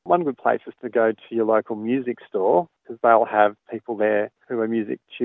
anda juga bisa melihat orang di luar online juga